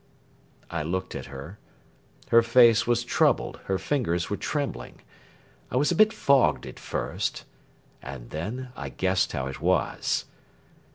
I looked at her her face was troubled, her fingers were trembling. I was a bit fogged at first and then I guessed how it was.